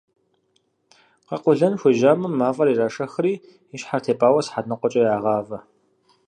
Къэкъуэлъэн хуежьэмэ, мафӏэр ирашэхри и щхьэр тепӏауэ сыхьэт ныкъуэкӏэ ягъавэ.